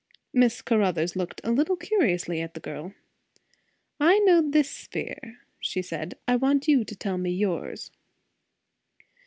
Miss Caruthers looked a little curiously at the girl. "I know this sphere," she said. "I want you to tell me yours."